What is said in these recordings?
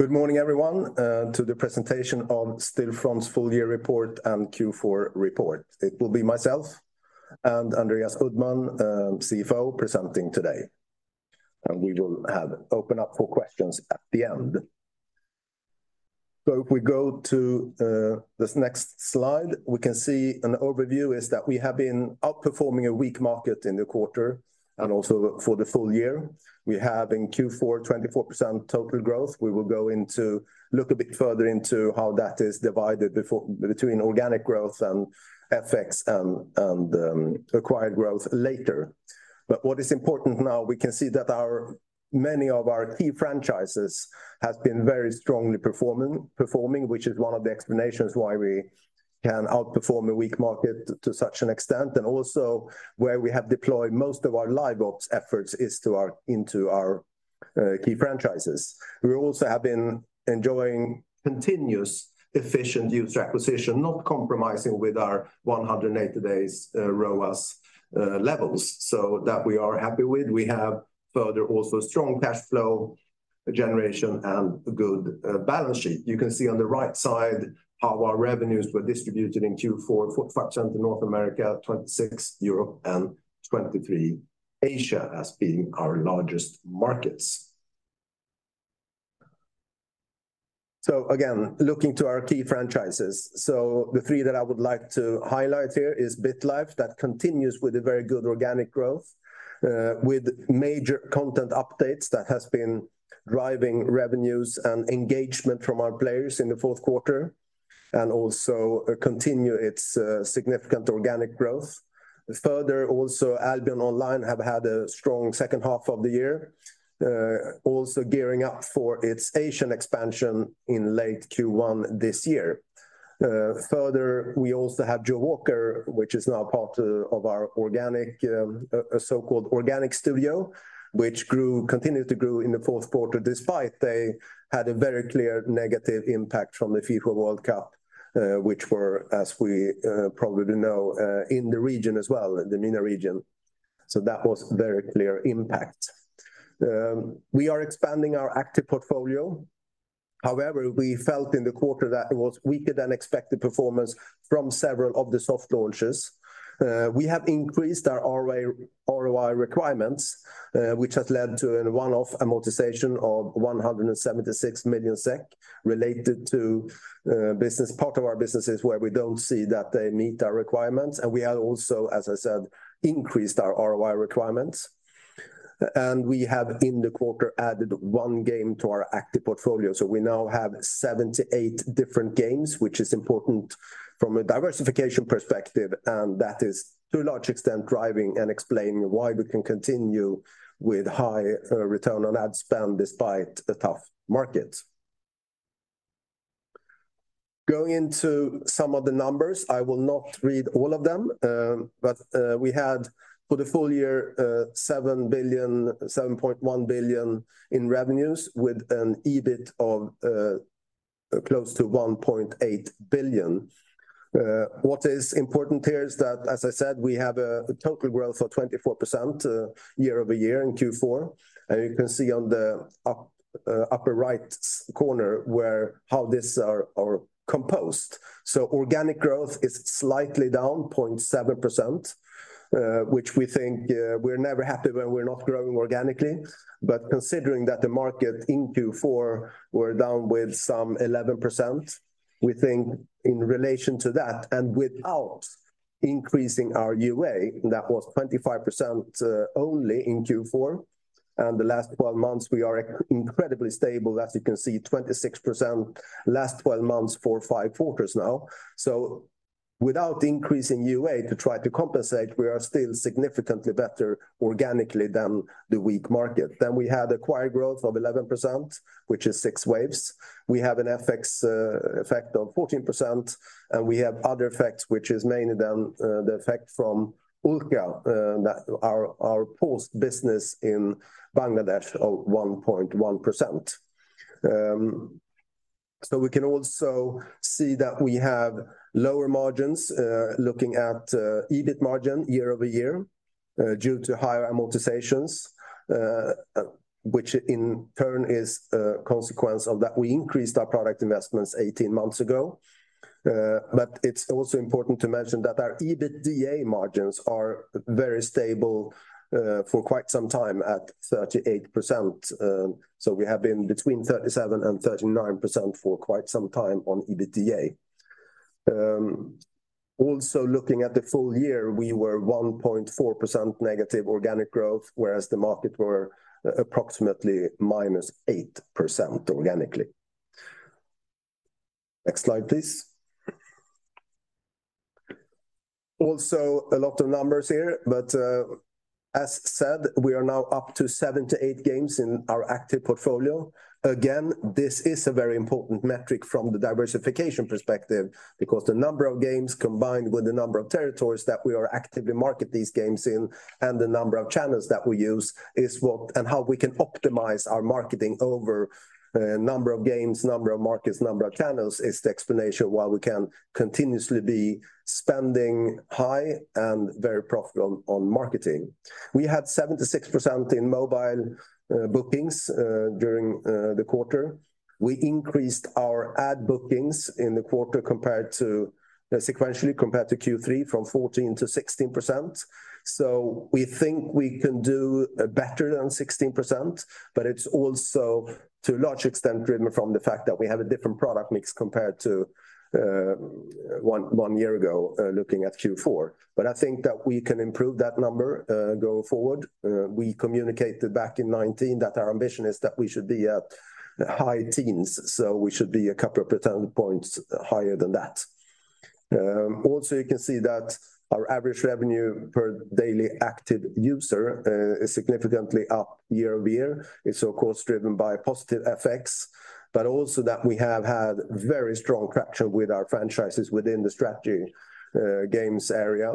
Good morning everyone, to the presentation on Stillfront's full year report and Q4 report. It will be myself and Andreas Uddman, CFO presenting today. We will have open up for questions at the end. If we go to this next slide, we can see an overview is that we have been outperforming a weak market in the quarter and also for the full year. We have in Q4 24% total growth. We will look a bit further into how that is divided between organic growth and FX and acquired growth later. What is important now, we can see that many of our key franchises has been very strongly performing, which is one of the explanations why we can outperform a weak market to such an extent. Also where we have deployed most of our LiveOps efforts is into our key franchises. We also have been enjoying continuous efficient user acquisition, not compromising with our 180 days ROAS levels. That we are happy with. We have further also strong cash flow generation and a good balance sheet. You can see on the right side how our revenues were distributed in Q4: 45% to North America, 26 Europe, and 23 Asia as being our largest markets. Again, looking to our key franchises. The three that I would like to highlight here is BitLife that continues with a very good organic growth, with major content updates that has been driving revenues and engagement from our players in the fourth quarter, and also continue its significant organic growth. Further, also Albion Online have had a strong second half of the year, also gearing up for its Asian expansion in late Q1 this year. Further, we also have Jawaker, which is now part of our organic, a so-called organic studio, which continued to grow in the fourth quarter despite they had a very clear negative impact from the FIFA World Cup, which were, as we probably know, in the region as well, the MENA region. That was very clear impact. We are expanding our active portfolio. However, we felt in the quarter that it was weaker than expected performance from several of the soft launches. We have increased our ROI requirements, which has led to a one-off amortization of 176 million SEK related to part of our businesses where we don't see that they meet our requirements. We have also, as I said, increased our ROI requirements. We have in the quarter added one game to our active portfolio. We now have seven to eight different games, which is important from a diversification perspective, and that is to a large extent driving and explaining why we can continue with high return on ad spend despite the tough market. Going into some of the numbers, I will not read all of them. We had for the full year 7.1 billion in revenues with an EBIT of close to 1.8 billion. What is important here is that, as I said, we have a total growth of 24% year-over-year in Q4. You can see on the upper right corner how this are composed. Organic growth is slightly down 0.7%, which we think, we're never happy when we're not growing organically. Considering that the market in Q4 were down with some 11%, we think in relation to that, and without increasing our UA, that was 25% only in Q4, and the last twelve months, we are incredibly stable. As you can see, 26% last twelve months for five quarters now. Without increasing UA to try to compensate, we are still significantly better organically than the weak market. We had acquired growth of 11%, which is Six Waves We have an FX effect of 14%, and we have other effects, which is mainly then the effect from Ulka, our post business in Bangladesh of 1.1%. We can also see that we have lower margins, looking at EBIT margin year-over-year, due to higher amortizations, which in turn is a consequence of that we increased our product investments 18 months ago. It's also important to mention that our EBITDA margins are very stable for quite some time at 38%. We have been between 37% and 39% for quite some time on EBITDA. Also looking at the full year, we were 1.4% negative organic growth, whereas the market were approximately minus 8% organically. Next slide, please. A lot of numbers here, but, as said, we are now up to seven-eight games in our active portfolio. Again, this is a very important metric from the diversification perspective because the number of games combined with the number of territories that we are actively market these games in and the number of channels that we use is and how we can optimize our marketing over number of games, number of markets, number of channels is the explanation why we can continuously be spending high and very profitable on marketing. We had 76% in mobile bookings during the quarter. We increased our ad bookings in the quarter sequentially compared to Q3 from 14%-16%. We think we can do better than 16%, but it's also to a large extent driven from the fact that we have a different product mix compared to one year ago, looking at Q4. I think that we can improve that number going forward. We communicated back in 2019 that our ambition is that we should be at high teens, so we should be a couple of percentage points higher than that. Also you can see that our average revenue per daily active user is significantly up year-over-year. It's of course driven by positive effects, but also that we have had very strong traction with our franchises within the strategy games area,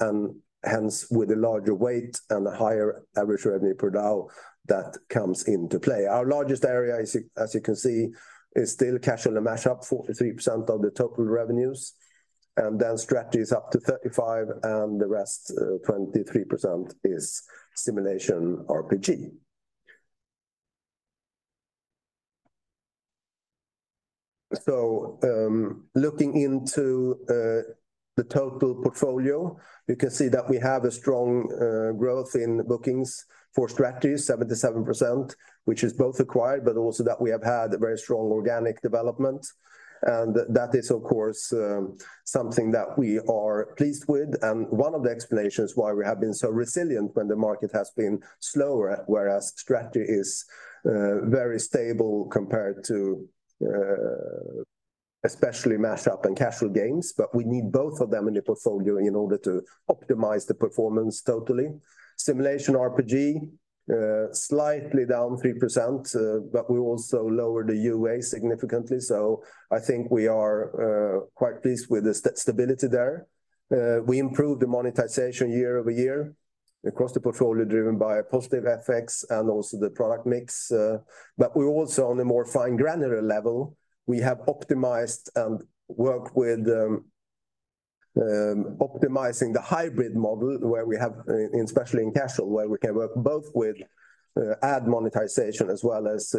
and hence with a larger weight and a higher average revenue per DAU that comes into play. Our largest area as you can see, is still casual and Mash-up 43% of the total revenues, then strategy is up to 35%, and the rest 23% is simulation RPG. Looking into the total portfolio, you can see that we have a strong growth in bookings for strategy 77%, which is both acquired, but also that we have had a very strong organic development. That is of course something that we are pleased with and one of the explanations why we have been so resilient when the market has been slower, whereas strategy is very stable compared to especially Mash-up and casual games. We need both of them in the portfolio in order to optimize the performance totally. Simulation RPG slightly down 3%, but we also lowered the UA significantly. I think we are quite pleased with the stability there. We improved the monetization year-over-year across the portfolio driven by positive effects and also the product mix, but we're also on a more fine granular level. We have optimized and worked with the optimizing the hybrid model where we have, in especially in casual, where we can work both with ad monetization as well as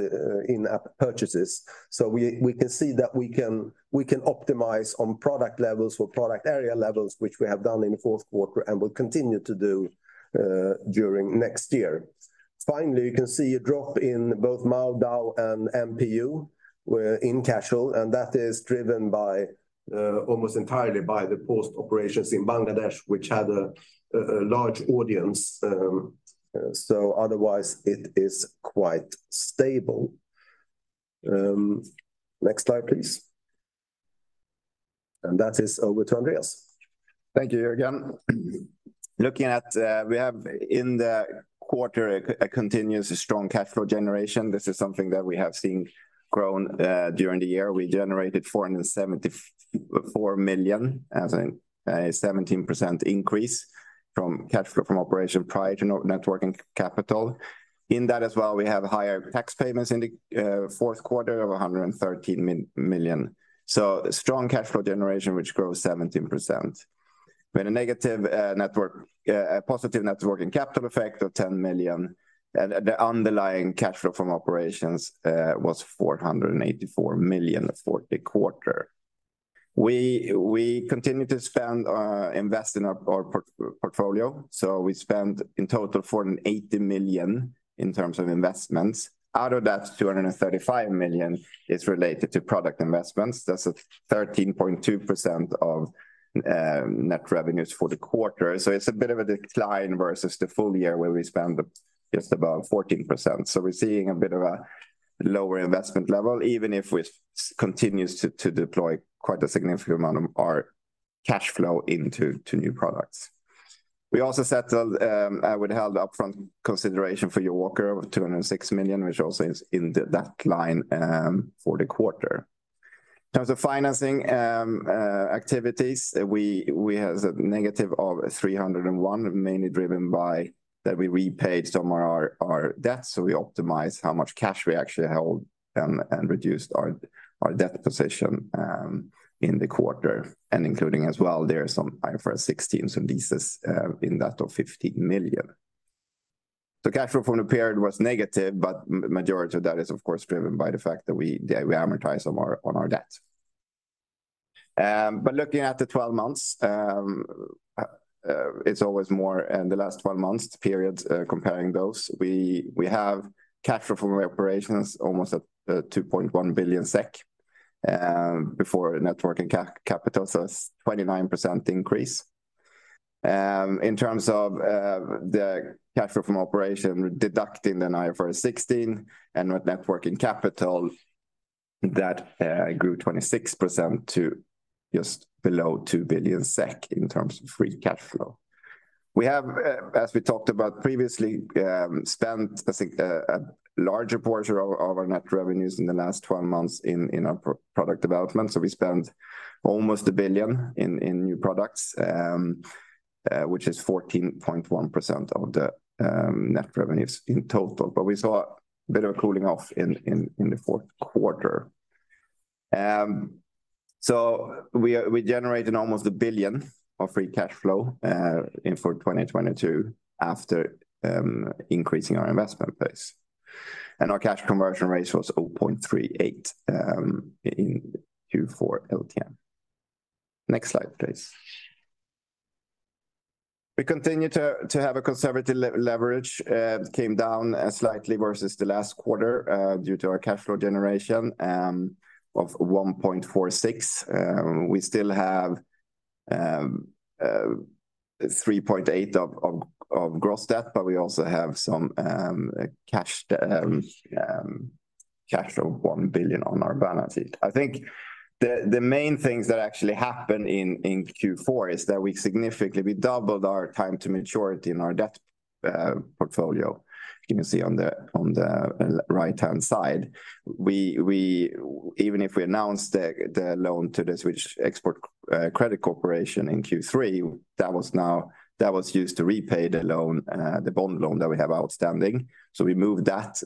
in-app purchases. We can see that we can optimize on product levels for product area levels which we have done in the fourth quarter and will continue to do during next year. Finally, you can see a drop in both MAU, DAU, and MPU. We're in casual, that is driven by almost entirely by the post operations in Bangladesh, which had a large audience. Otherwise, it is quite stable. Next slide, please. That is over to Andreas. Thank you, Jörgen. Looking at, we have in the quarter a continuous strong cash flow generation. This is something that we have seen grown during the year. We generated 474 million as a 17% increase from cash flow from operations prior to net working capital. In that as well, we have higher tax payments in the fourth quarter of 113 million. Strong cash flow generation which grows 17% with a negative, a positive net working capital effect of 10 million, and the underlying cash flow from operations was 484 million for the quarter. We continue to spend, invest in our portfolio, we spent in total 480 million in terms of investments. Out of that, 235 million is related to product investments. That's a 13.2% of net revenues for the quarter. It's a bit of a decline versus the full year where we spend just above 14%. We're seeing a bit of a lower investment level, even if we continues to deploy quite a significant amount of our cash flow into new products. We also settled with held upfront consideration for Jawaker of 206 million, which also is in the decline for the quarter. In terms of financing, activities, we had a negative of 301, mainly driven by that we repaid some of our debt, so we optimized how much cash we actually hold and reduced our debt position in the quarter and including as well there some IFRS 16 and leases, in that of 50 million. The cash flow from the period was negative, but majority of that is of course driven by the fact that they amortize on our debt. Looking at the 12 months, it's always more in the last 12 months periods, comparing those. We have cash flow from operations almost at 2.1 billion SEK before net working capital, so it's 29% increase. In terms of the cash flow from operations, deducting the IFRS 16 and net working capital. That grew 26% to just below 2 billion SEK in terms of free cash flow. We have, as we talked about previously, spent a larger portion of our net revenues in the last 12 months in our product development. We spent almost 1 billion in new products, which is 14.1% of the net revenues in total. We saw a bit of a cooling off in the fourth quarter. We're generating almost 1 billion of free cash flow in for 2022 after increasing our investment pace. Our cash conversion ratio was 0.38 in Q4 LTM. Next slide, please. We continue to have a conservative leverage came down slightly versus the last quarter due to our cash flow generation of 1.46. We still have 3.8 billion of gross debt, but we also have some cash of 1 billion on our balance sheet. I think the main things that actually happened in Q4 is that we significantly doubled our time to maturity in our debt portfolio. You can see on the right-hand side. Even if we announced the loan to the Swedish Export Credit Corporation in Q3, that was used to repay the loan, the bond loan that we have outstanding. We moved that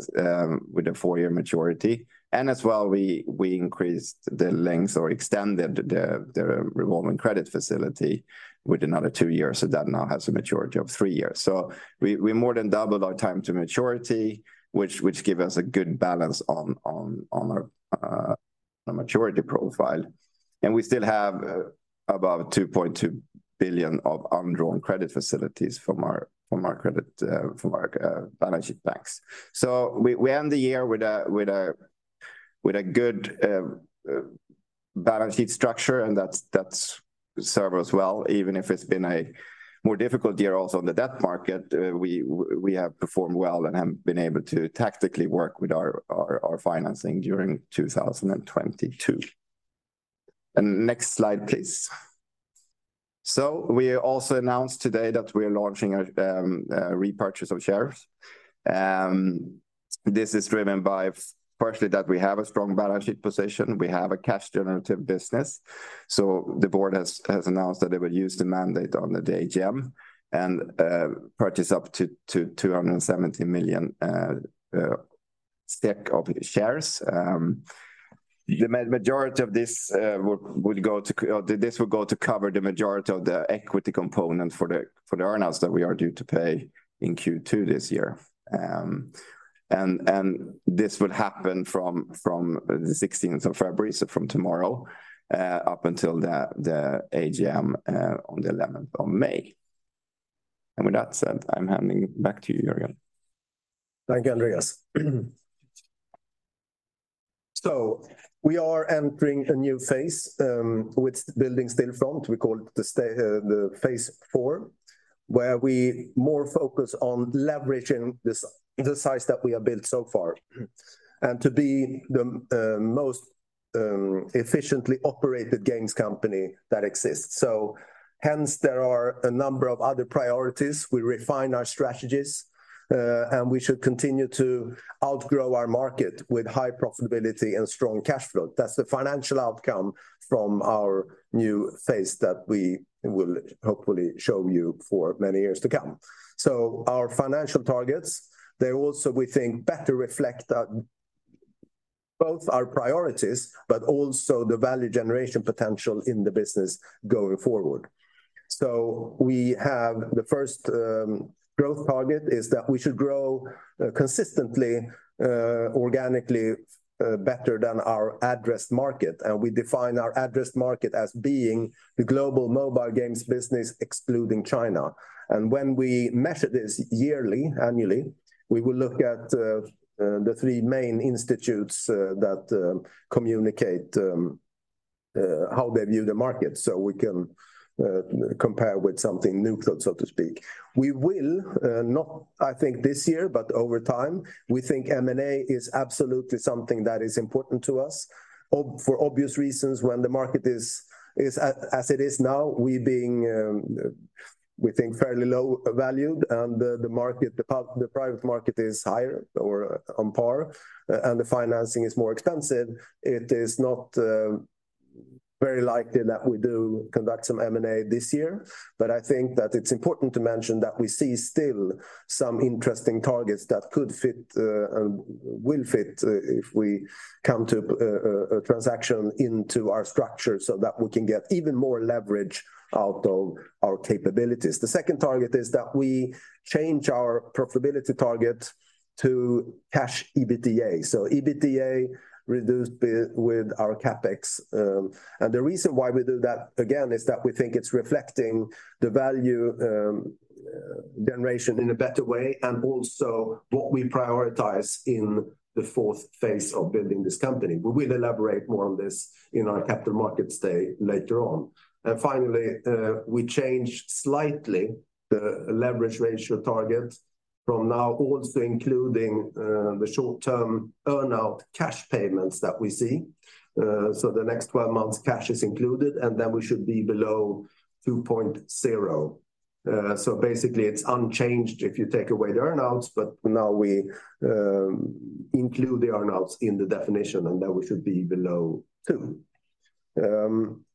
with a four-year maturity. As well, we increased the length or extended the revolving credit facility with another two years, so that now has a maturity of three years. We more than doubled our time to maturity, which give us a good balance on our maturity profile. We still have about 2.2 billion of undrawn credit facilities from our credit, from our balance sheet banks. We end the year with a good balance sheet structure, and that's served us well, even if it's been a more difficult year also on the debt market. We have performed well and have been able to tactically work with our financing during 2022. Next slide, please. We also announced today that we are launching a repurchase of shares. This is driven by partially that we have a strong balance sheet position. We have a cash generative business. The board has announced that they would use the mandate on the AGM and purchase up to 270 million SEK of shares. The majority of this would go to cover the majority of the equity component for the earn-outs that we are due to pay in Q2 this year. This would happen from the 16th of February, so from tomorrow, up until the AGM on the 11th of May. With that said, I'm handing back to you, Jörgen. Thank you, Andreas. We are entering a new phase with building Stillfront. We call it the PIV where we more focus on leveraging the size that we have built so far, and to be the most efficiently operated games company that exists. Hence, there are a number of other priorities. We refine our strategies, and we should continue to outgrow our market with high profitability and strong cash flow. That's the financial outcome from our new phase that we will hopefully show you for many years to come. Our financial targets, they also, we think, better reflect both our priorities, but also the value generation potential in the business going forward. We have the first growth target is that we should grow consistently organically better than our addressed market. We define our addressed market as being the global mobile games business excluding China. When we measure this yearly, annually, we will look at the three main institutes that communicate how they view the market, so we can compare with something neutral, so to speak. We will not I think this year, but over time, we think M&A is absolutely something that is important to us. For obvious reasons, when the market is as it is now, we being, we think fairly low valued, and the market, the private market is higher or on par, and the financing is more expensive, it is not very likely that we do conduct some M&A this year. I think that it's important to mention that we see still some interesting targets that could fit and will fit if we come to a transaction into our structure, so that we can get even more leverage out of our capabilities. The second target is that we change our profitability target to cash EBITDA. EBITDA reduced by with our CapEx. The reason why we do that, again, is that we think it's reflecting the value generation in a better way, and also what we prioritize in the fourth phase of building this company. We will elaborate more on this in our Capital Markets Day later on. Finally, we change slightly the leverage ratio target from now also including the short-term earn-out cash payments that we see. The next 12 months cash is included, and then we should be below 2.0. Basically it's unchanged if you take away the earn-outs, but now we include the earn-outs in the definition, and then we should be below two.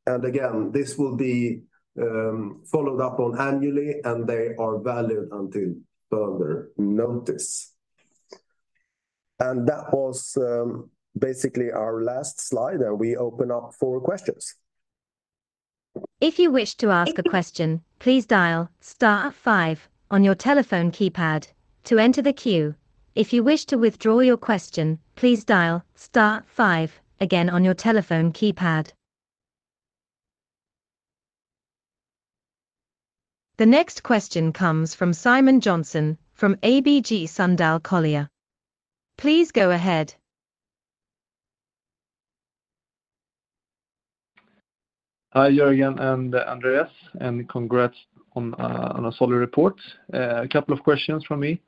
Again, this will be followed up on annually, and they are valid until further notice. That was basically our last slide, and we open up for questions. If you wish to ask a question, please dial star five on your telephone keypad to enter the queue. If you wish to withdraw your question, please dial star five again on your telephone keypad. The next question comes from Simon Jönsson from ABG Sundal Collier. Please go ahead. Hi, Jörgen and Andreas, congrats on a solid report. A couple of questions from me.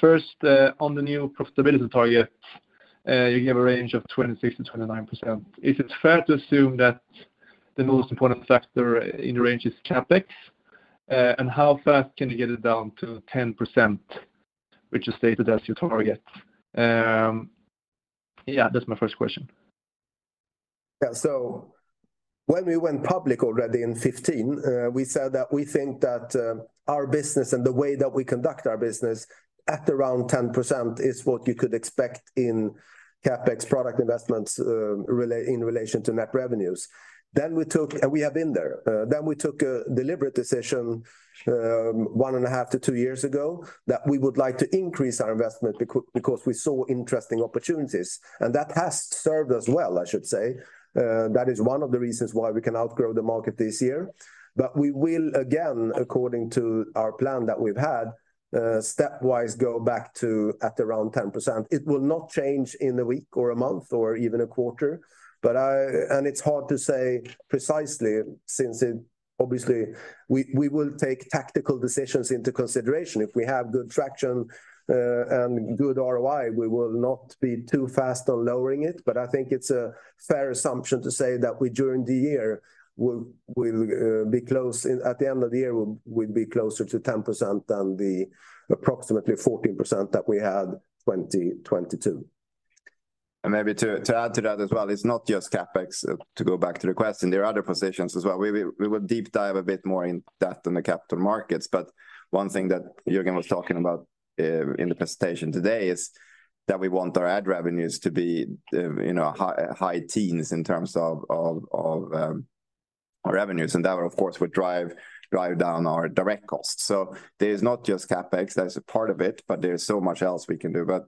First, on the new profitability target, you gave a range of 26%-29%. Is it fair to assume that the most important factor in the range is CapEx? How fast can you get it down to 10%, which is stated as your target? Yeah, that's my first question. When we went public already in 2015, we said that we think that our business and the way that we conduct our business at around 10% is what you could expect in CapEx product investments in relation to net revenues. We took... We have been there. We took a deliberate decision 1.5 - 2 years ago that we would like to increase our investment because we saw interesting opportunities. That has served us well, I should say. That is one of the reasons why we can outgrow the market this year. We will, again, according to our plan that we've had, stepwise go back to at around 10%. It will not change in a week or a month or even a quarter. It's hard to say precisely since it obviously we will take tactical decisions into consideration. If we have good traction and good ROI, we will not be too fast on lowering it. I think it's a fair assumption to say that we, during the year, we'll be close at the end of the year, we'll be closer to 10% than the approximately 14% that we had 2022. Maybe to add to that as well, it's not just CapEx, to go back to the question. There are other positions as well. We will deep dive a bit more in that in the capital markets. One thing that Jörgen was talking about in the presentation today is that we want our ad revenues to be, you know, high teens in terms of our revenues. That, of course, would drive down our direct costs. There is not just CapEx. That is a part of it, but there is so much else we can do. If you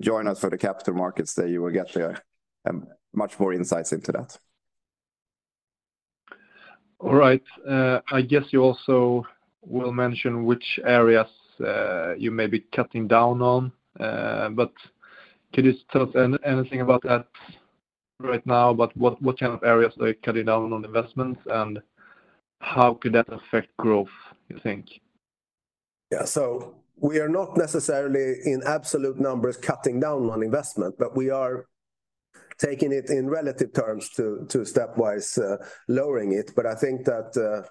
join us for the Capital Markets Day, you will get much more insights into that. All right. I guess you also will mention which areas you may be cutting down on. Can you tell us anything about that right now, about what kind of areas are you cutting down on investments, and how could that affect growth, you think? We are not necessarily in absolute numbers cutting down on investment, but we are taking it in relative terms to stepwise lowering it. I think that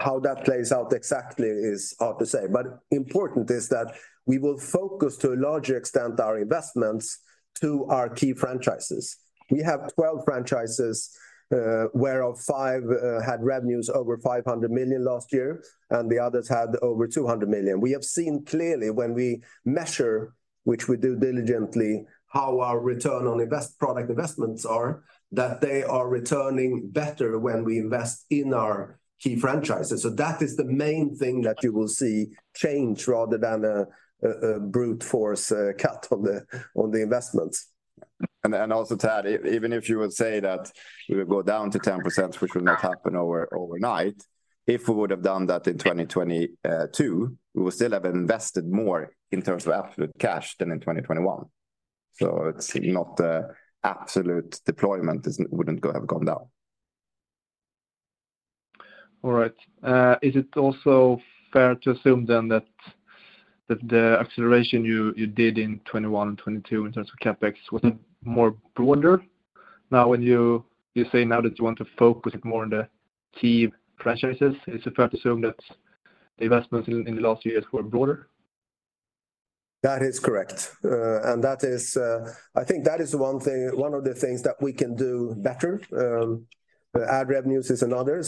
how that plays out exactly is hard to say. Important is that we will focus to a larger extent our investments to our key franchises. We have 12 franchises, whereof five had revenues over 500 million last year, and the others had over 200 million. We have seen clearly when we measure, which we do diligently, how our return on product investments are, that they are returning better when we invest in our key franchises. That is the main thing that you will see change rather than a brute force cut on the investments. Also to add, even if you would say that we will go down to 10%, which will not happen overnight, if we would have done that in 2022, we would still have invested more in terms of absolute cash than in 2021. It's not the absolute deployment wouldn't have gone down. All right. Is it also fair to assume then that the acceleration you did in 2021 and 2022 in terms of CapEx was more broader? Now when you say now that you want to focus more on the key franchises, is it fair to assume that the investments in the last few years were broader? That is correct. And that is, I think that is one of the things that we can do better. Ad revenues is another.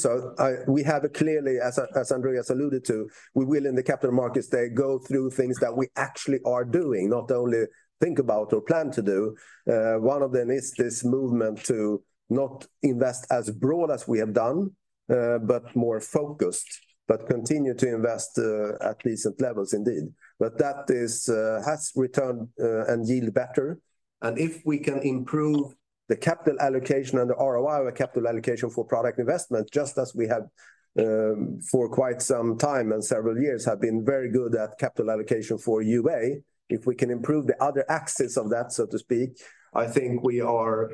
We have clearly, as Andreas alluded to, we will in the Capital Markets Day go through things that we actually are doing, not only think about or plan to do. One of them is this movement to not invest as broad as we have done, but more focused, but continue to invest at decent levels indeed. That is, has returned and yield better. If we can improve the capital allocation and the ROI of a capital allocation for product investment, just as we have, for quite some time and several years have been very good at capital allocation for UA. If we can improve the other axis of that, so to speak, I think we are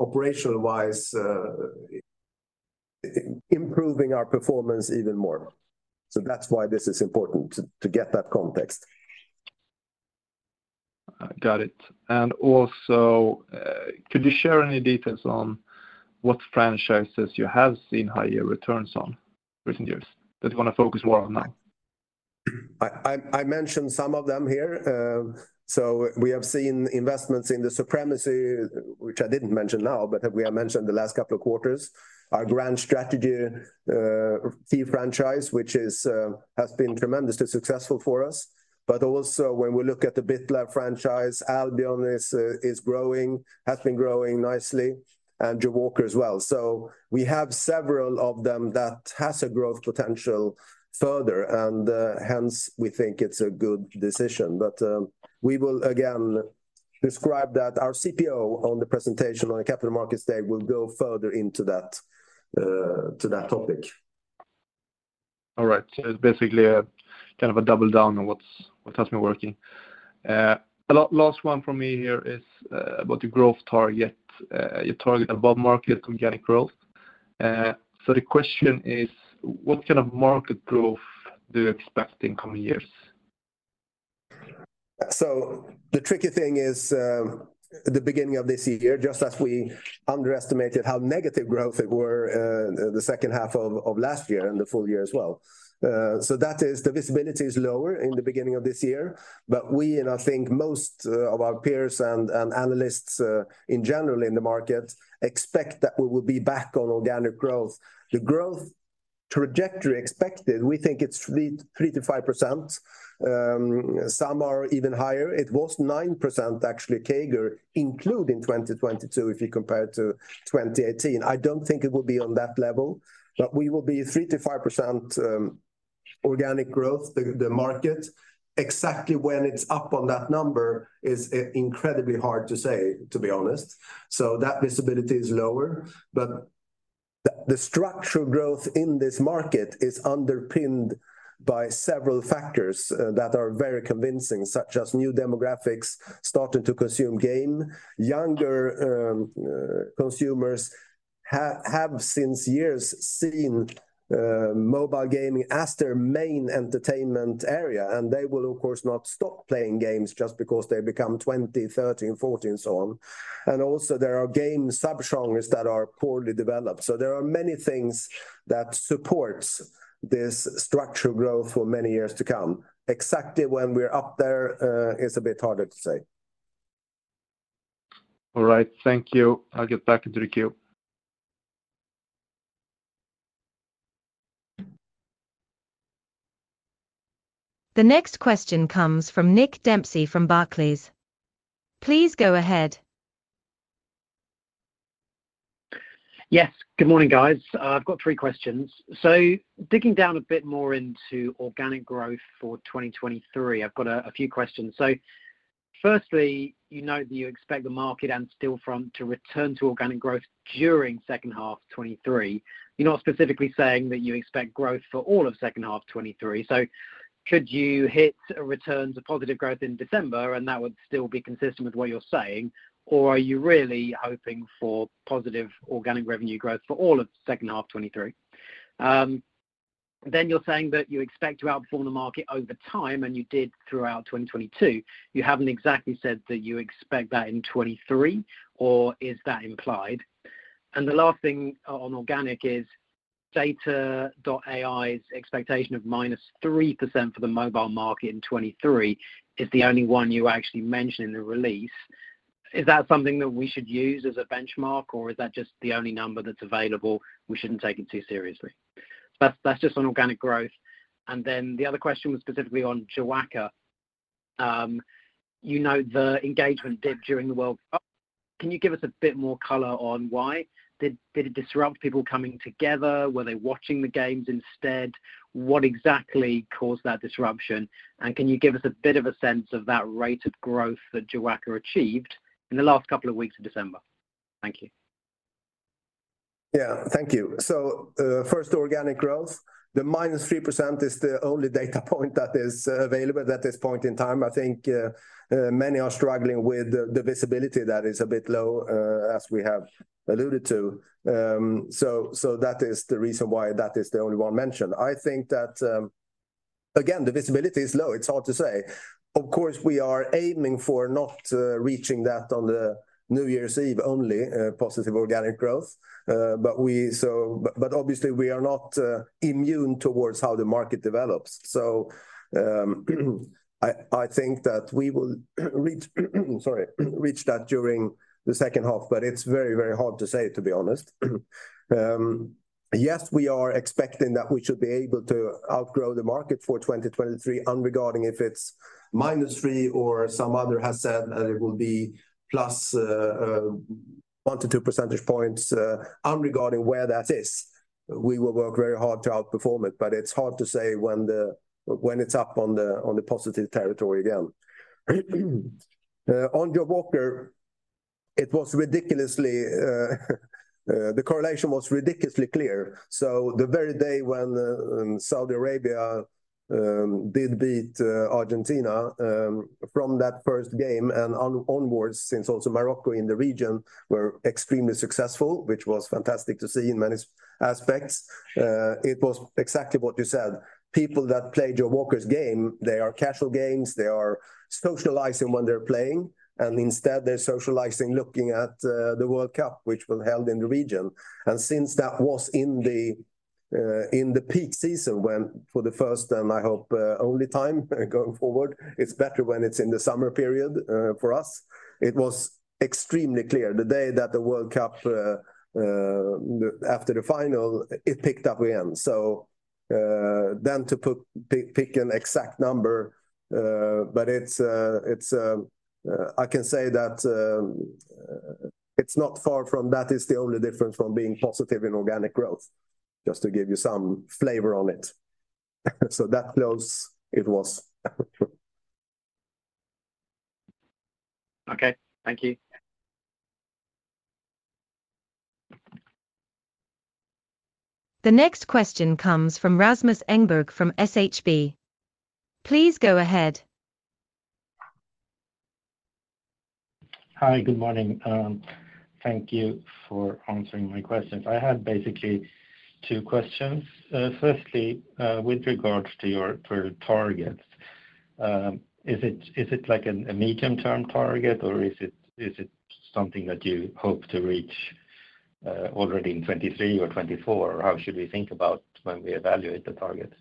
operational-wise improving our performance even more. That's why this is important to get that context. Got it. Also, could you share any details on what franchises you have seen higher returns on recent years that you want to focus more on now? I mentioned some of them here. We have seen investments in the Supremacy, which I didn't mention now, but we have mentioned the last couple of quarters. Our Grand Strategy fee franchise, which has been tremendously successful for us. Also when we look at the BitLife franchise, Albion is growing nicely, and Jawaker as well. We have several of them that has a growth potential further, and hence we think it's a good decision. We will again describe that our CPO on the presentation on the Capital Markets Day will go further to that topic. All right. It's basically kind of a double down on what has been working. last one for me here is about the growth target, your target above market organic growth. The question is, what kind of market growth do you expect in coming years? The tricky thing is, the beginning of this year, just as we underestimated how negative growth it were, the second half of last year and the full year as well. That is the visibility is lower in the beginning of this year, but we and I think most of our peers and analysts in general in the market expect that we will be back on organic growth. The growth trajectory expected, we think it's 3% to 5%, some are even higher. It was 9% actually CAGR, including 2022, if you compare to 2018. I don't think it will be on that level, but we will be 3% to 5% organic growth, the market. Exactly when it's up on that number is incredibly hard to say, to be honest. That visibility is lower, but the structural growth in this market is underpinned by several factors that are very convincing, such as new demographics starting to consume game. Younger consumers have since years seen mobile gaming as their main entertainment area, and they will of course not stop playing games just because they become 20, 30, and 40, and so on. Also there are game subgenres that are poorly developed. There are many things that supports this structural growth for many years to come. Exactly when we're up there is a bit harder to say. All right. Thank you. I'll get back into the queue. The next question comes from Nick Dempsey from Barclays. Please go ahead. Yes. Good morning, guys. I've got three questions. Digging down a bit more into organic growth for 2023, I've got a few questions. Firstly, you know that you expect the market and Stillfront to return to organic growth during second half 2023. You're not specifically saying that you expect growth for all of second half 2023. Could you hit a return to positive growth in December, and that would still be consistent with what you're saying? Are you really hoping for positive organic revenue growth for all of second half 2023? You're saying that you expect to outperform the market over time, and you did throughout 2022. You haven't exactly said that you expect that in 2023, or is that implied? The last thing on organic is data.AI's expectation of -3% for the mobile market in 23 is the only one you actually mention in the release. Is that something that we should use as a benchmark, or is that just the only number that's available, we shouldn't take it too seriously? That's just on organic growth. The other question was specifically on Jawaker. You know the engagement dip during the World Cup. Can you give us a bit more color on why? Did it disrupt people coming together? Were they watching the games instead? What exactly caused that disruption? Can you give us a bit of a sense of that rate of growth that Jawaker achieved in the last couple of weeks of December? Thank you. Yeah. Thank you. First organic growth, the minus 3% is the only data point that is available at this point in time. I think many are struggling with the visibility that is a bit low as we have alluded to. That is the reason why that is the only one mentioned. I think that again, the visibility is low, it's hard to say. Of course, we are aiming for not reaching that on the New Year's Eve only positive organic growth. Obviously we are not immune towards how the market develops. I think that we will sorry, reach that during the second half, but it's very, very hard to say to be honest. Yes, we are expecting that we should be able to outgrow the market for 2023 regardless if it's -3% or some other has said that it will be +1 to 2 percentage points, regardless where that is. We will work very hard to outperform it, but it's hard to say when it's up on the positive territory again. On Jawaker, it was ridiculously, the correlation was ridiculously clear. The very day when Saudi Arabia did beat Argentina, from that first game and onwards since also Morocco in the region were extremely successful, which was fantastic to see in many aspects. It was exactly what you said, people that play Jawaker's game, they are casual games, they are socialising when they're playing, and instead they're socialising looking at the World Cup which was held in the region. Since that was in the peak season when for the first time, I hope, only time going forward, it's better when it's in the summer period for us. It was extremely clear the day that the World Cup after the final, it picked up again. Then to pick an exact number, but it's, I can say that, it's not far from that is the only difference from being positive in organic growth, just to give you some flavor on it. That close it was. Okay, thank you. The next question comes from Rasmus Engberg from SHB. Please go ahead. Hi. Good morning. Thank you for answering my questions. I had basically two questions. Firstly, with regards to your, for targets, is it like a medium-term target or is it something that you hope to reach, already in 2023 or 2024? How should we think about when we evaluate the target?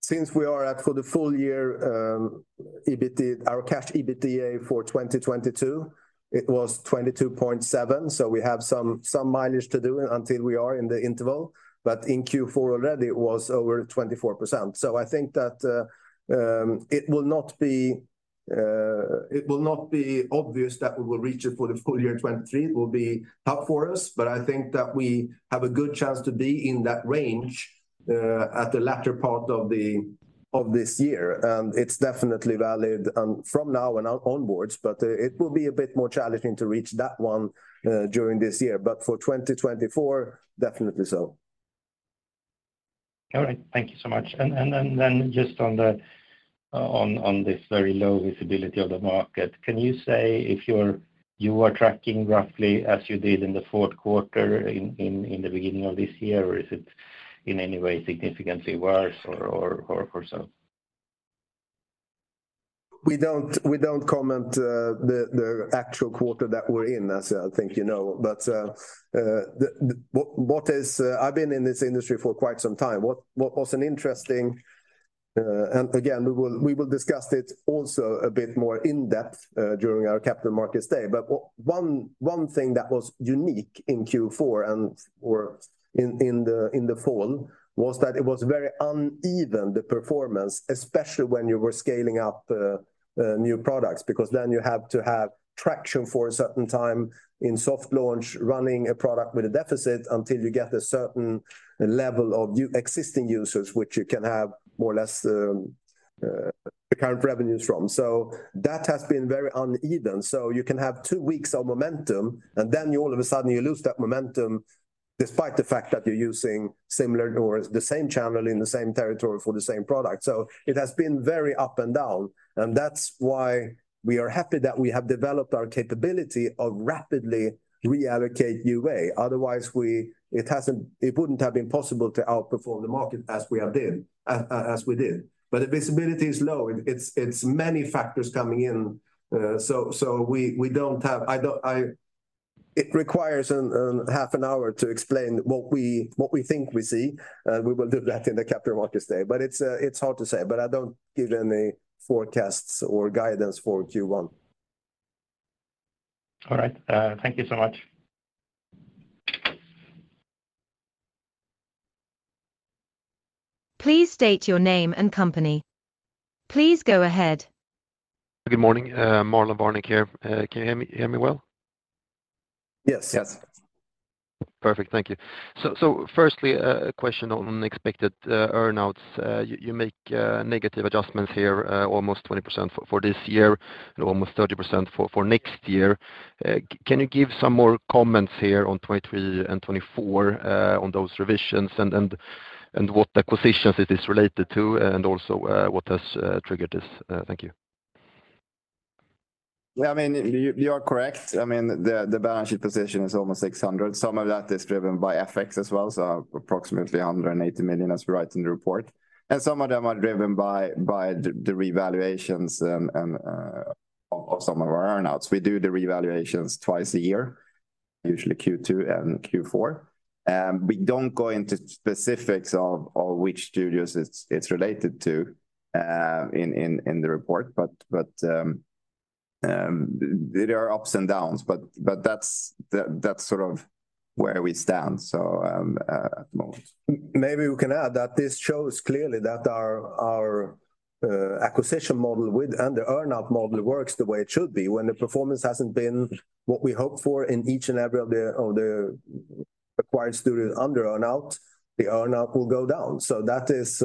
Since we are at for the full year, our cash EBITDA for 2022, it was 22.7, so we have some mileage to do until we are in the interval. In Q4 already it was over 24%. I think that it will not be obvious that we will reach it for the full year 2023. It will be tough for us, I think that we have a good chance to be in that range at the latter part of this year. It's definitely valid from now and onwards, it will be a bit more challenging to reach that one during this year. For 2024, definitely so. All right. Thank you so much. Then just on this very low visibility of the market, can you say if you are tracking roughly as you did in the fourth quarter in the beginning of this year, or is it in any way significantly worse or so? We don't comment the actual quarter that we're in, as I think you know. What is I've been in this industry for quite some time. What was an interesting. Again we will discuss it also a bit more in depth during our Capital Markets Day. One thing that was unique in Q4 and or in the, in the fall, was that it was very uneven, the performance, especially when you were scaling up new products, because then you have to have traction for a certain time in soft launch, running a product with a deficit until you get a certain level of existing users which you can have more or less the current revenues from. That has been very uneven. You can have two weeks of momentum, and then you all of a sudden you lose that momentum despite the fact that you're using similar or the same channel in the same territory for the same product. It has been very up and down, and that's why we are happy that we have developed our capability of rapidly reallocate UA, otherwise it wouldn't have been possible to outperform the market as we did. The visibility is low, it's many factors coming in. It requires an half an hour to explain what we, what we think we see. We will do that in the Capital Markets Day. It's hard to say. I don't give any forecasts or guidance for Q1. All right. Thank you so much. Please state your name and company. Please go ahead. Good morning. Marlon Värnik here. Can you hear me well? Yes. Yes. Perfect. Thank you. Firstly, a question on expected earnouts. You make negative adjustments here, almost 20% for this year and almost 30% for next year. Can you give some more comments here on 2023 and 2024 on those revisions and what acquisitions it is related to, and also, what has triggered this? Thank you. Yeah, I mean, you are correct. I mean, the balance sheet position is almost 600 million. Some of that is driven by FX as well, so approximately 180 million as we write in the report. Some of them are driven by the revaluations and of some of our earnouts. We do the revaluations twice a year, usually Q2 and Q4. We don't go into specifics of which studios it's related to in the report, but there are ups and downs, but that's sort of where we stand, so, at the moment. Maybe we can add that this shows clearly that our acquisition model and the earnout model works the way it should be. When the performance hasn't been what we hope for in each and every of the acquired studio under earnout, the earnout will go down. That is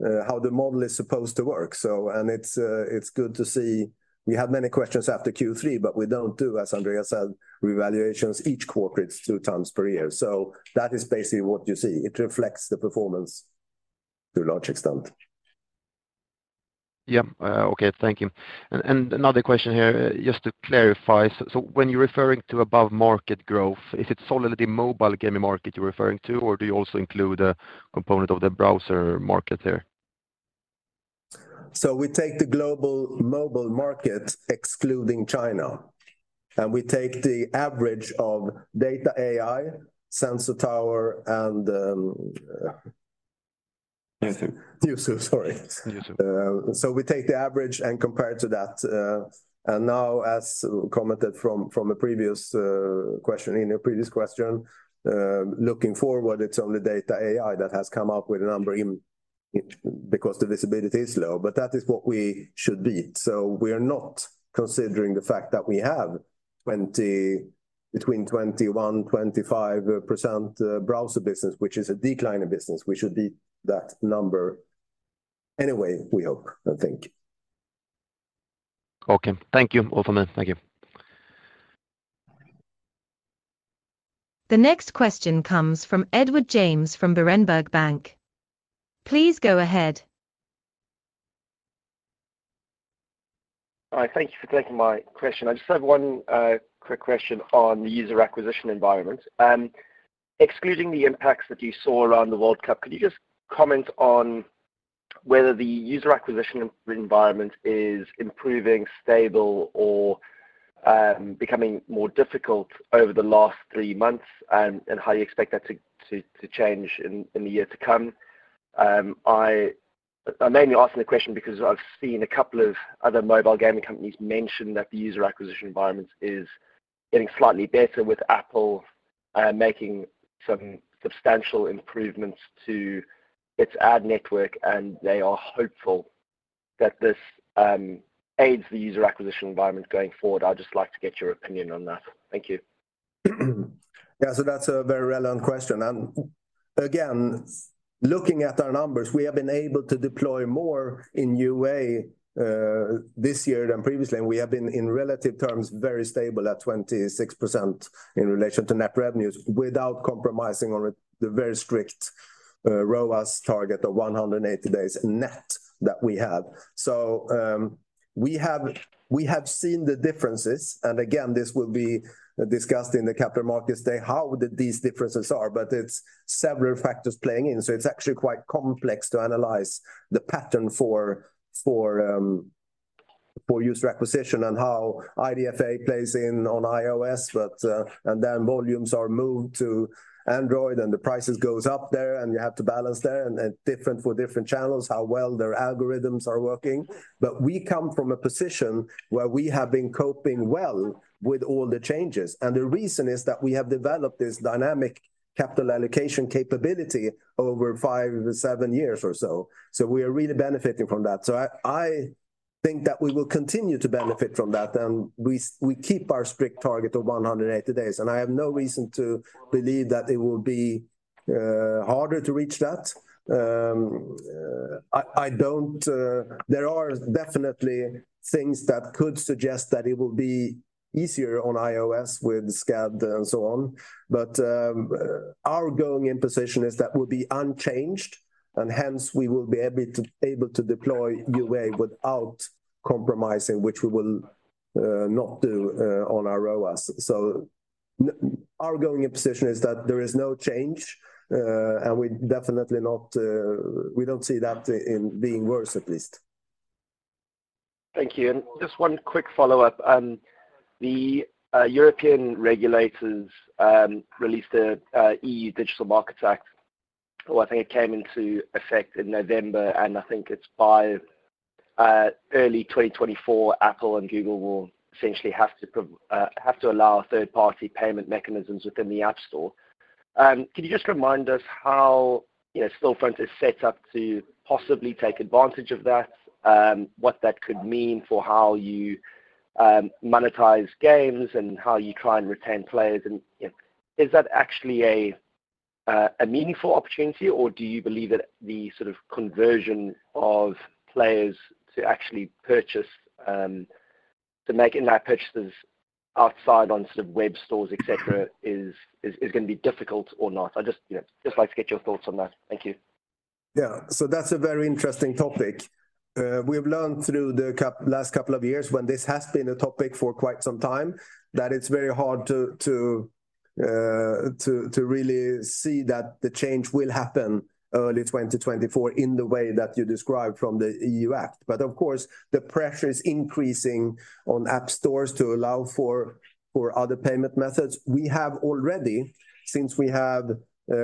how the model is supposed to work. It's good to see. We have many questions after Q3, but we don't do, as Andreas said, revaluations each quarter. It's two times per year. That is basically what you see. It reflects the performance to a large extent. Okay. Thank you. Another question here, just to clarify. When you're referring to above-market growth, is it solely the mobile gaming market you're referring to, or do you also include a component of the browser market there? We take the global mobile market excluding China, and we take the average of data.ai, Sensor Tower, and. sorry. We take the average and compare to that. Now as commented from a previous question, in a previous question, looking forward it's only data.ai that has come up with a number because the visibility is low, but that is what we should beat. We are not considering the fact that we have between 21%-25% browser business, which is a declining business. We should beat that number anyway, we hope and think. Okay. Thank you. Over to you. Thank you. The next question comes from Edward James from Berenberg Bank. Please go ahead. All right. Thank you for taking my question. I just have one quick question on the user acquisition environment. Excluding the impacts that you saw around the World Cup, could you just comment on whether the user acquisition environment is improving, stable, or becoming more difficult over the last three months, and how you expect that to change in the year to come? I'm mainly asking the question because I've seen a couple of other mobile gaming companies mention that the user acquisition environment is getting slightly better with Apple, making some substantial improvements to its ad network, and they are hopeful that this aids the user acquisition environment going forward. I'd just like to get your opinion on that. Thank you. Yeah. That's a very relevant question. Again, looking at our numbers, we have been able to deploy more in UA this year than previously, and we have been in relative terms, very stable at 26% in relation to net revenues without compromising on the very strict ROAS target of 180 days net that we have. We have seen the differences, and again, this will be discussed in the Capital Markets Roadshow what these differences are, but it's several factors playing in. It's actually quite complex to analyze the pattern for user acquisition and how IDFA plays in on iOS. Then volumes are moved to Android, and the prices goes up there, and you have to balance there and different for different channels, how well their algorithms are working. We come from a position where we have been coping well with all the changes, and the reason is that we have developed this dynamic capital allocation capability over five, seven years or so. We are really benefiting from that. I think that we will continue to benefit from that, and we keep our strict target of 180 days, and I have no reason to believe that it will be harder to reach that. I don't... There are definitely things that could suggest that it will be easier on iOS with SKAD and so on, but our going in position is that we'll be unchanged and hence we will be able to deploy UA without compromising, which we will not do on our ROAS. Our going in position is that there is no change, and we don't see that in being worse at least. Thank you. Just one quick follow-up. The European regulators released a EU Digital Markets Act, or I think it came into effect in November, and I think it's by early 2024, Apple and Google will essentially have to allow third-party payment mechanisms within the App Store. Can you just remind us how, you know, Stillfront is set up to possibly take advantage of that, what that could mean for how you monetize games and how you try and retain players? You know, is that actually a meaningful opportunity, or do you believe that the sort of conversion of players to actually purchase, to make in-app purchases outside on sort of web stores, et cetera, is gonna be difficult or not? I just, you know, just like to get your thoughts on that. Thank you. Yeah. That's a very interesting topic. We've learned through the last couple of years when this has been a topic for quite some time, that it's very hard to really see that the change will happen early 2024 in the way that you described from the EU Act. Of course, the pressure is increasing on App Stores to allow for other payment methods. We have already, since we have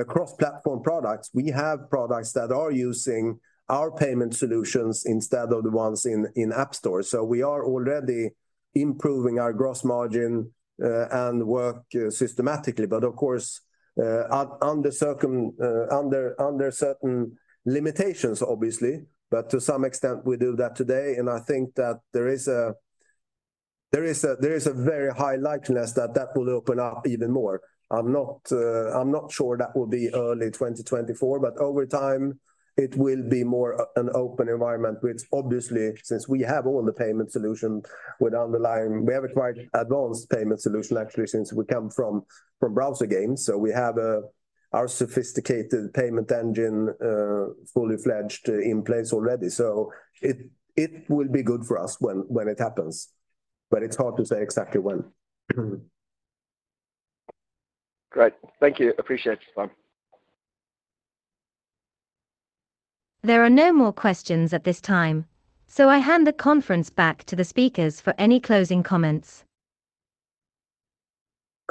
cross-platform products, we have products that are using our payment solutions instead of the ones in App Store. We are already improving our gross margin and work systematically, but of course, under certain limitations obviously. To some extent, we do that today, and I think that there is a very high likeness that that will open up even more. I'm not sure that will be early 2024, but over time it will be more an open environment, which obviously, since we have all the payment solution. We have a quite advanced payment solution actually since we come from browser games. We have our sophisticated payment engine fully fledged in place already. It will be good for us when it happens, but it's hard to say exactly when. Great. Thank you. Appreciate your time. There are no more questions at this time, so I hand the conference back to the speakers for any closing comments.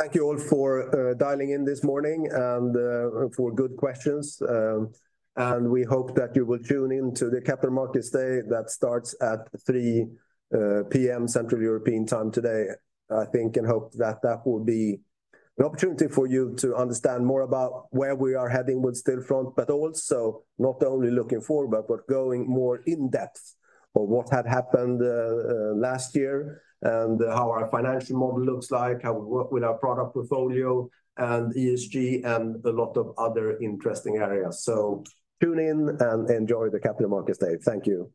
Thank you all for dialing in this morning and for good questions. We hope that you will tune in to the Capital Markets Day that starts at 3:00 P.M. Central European Time today. I think and hope that that will be an opportunity for you to understand more about where we are heading with Stillfront, but also not only looking forward, but going more in depth of what had happened last year and how our financial model looks like, how we work with our product portfolio and ESG and a lot of other interesting areas. Tune in and enjoy the Capital Markets Day. Thank you.